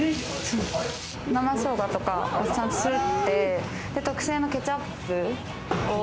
生しょうがとかちゃんとすって、特製のケチャップ。